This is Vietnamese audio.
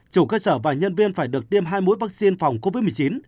chủ cơ sở và nhân viên phải được tiêm hai mũi vaccine phòng covid một mươi chín